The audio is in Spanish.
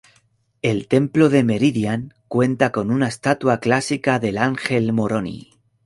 El templo de Meridian cuenta con una estatua clásica del ángel Moroni.